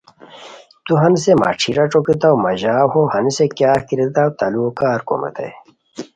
تو ہنیسے مہ ݯھیرا ݯوکیتاؤ مہ ژاؤ ہو، ہنیسے کیاغ کی ریتاؤ تہ لوؤ کارکوم ریتائے